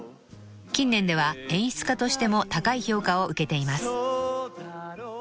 ［近年では演出家としても高い評価を受けています］